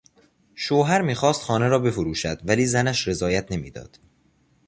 شوهر میخواست خانه را بفروشد ولی زنش رضایت نمیداد.